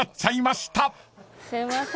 すいません。